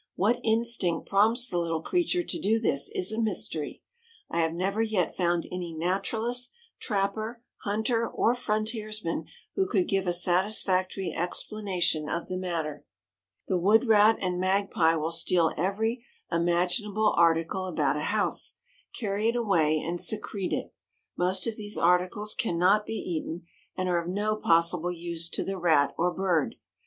What instinct prompts the little creature to do this, is a mystery. I have never yet found any naturalist, trapper, hunter or frontiersman who could give a satisfactory explanation of the matter. The wood rat and magpie will steal every imaginable article about a house, carry it away and secrete it. Most of these articles can not be eaten and are of no possible use to the rat or bird.